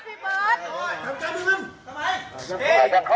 ทำไม